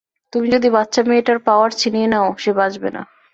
তুমি যদি বাচ্চা মেয়েটার পাওয়ার ছিনিয়ে নেও, সে বাঁচবে না।